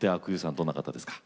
どんな方ですか？